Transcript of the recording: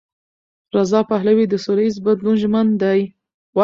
رضا پهلوي د سولهییز بدلون ژمن دی.